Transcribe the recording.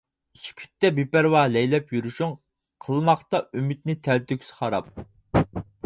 سۈكۈتتە بىپەرۋا لەيلەپ يۈرۈشۈڭ، قىلماقتا ئۈمىدنى تەلتۆكۈس خاراب.